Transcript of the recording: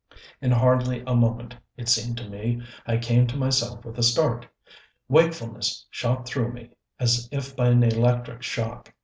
In hardly a moment, it seemed to me, I came to myself with a start. Wakefulness shot through me as if by an electric shock.